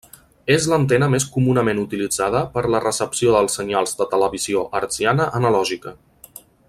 És l'antena més comunament utilitzada per a la recepció dels senyals de televisió hertziana analògica.